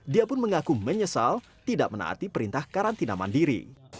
dia pun mengaku menyesal tidak menaati perintah karantina mandiri